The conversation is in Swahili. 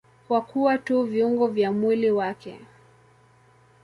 Kwa kuwa tu viungo vya mwili wake.